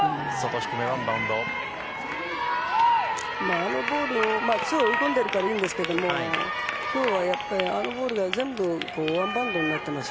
あのボール、今日追い込んでるからいいんですけど今日はあのボールが全部ワンバウンドになってます。